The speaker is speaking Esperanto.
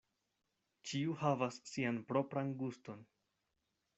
Ĉiu havas sian propran guston.